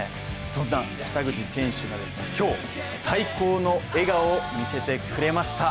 そんな北口選手が今日、最高の笑顔を見せてくれました。